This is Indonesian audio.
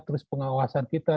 terus pengawasan kita